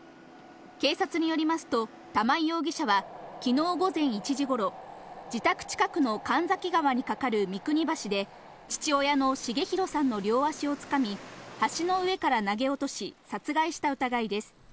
警察によりますと、玉井容疑者は、きのう午前１時ごろ、自宅近くのかんざき川に架かる三国橋で、父親の重弘さんの両足をつかみ、橋の上から投げ落とし、殺害した疑いです。